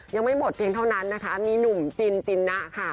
ยังไม่หมดเพียงเท่านั้นนะคะมีหนุ่มจินจินนะค่ะ